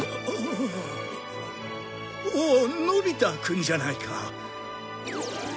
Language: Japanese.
おおのび太くんじゃないか。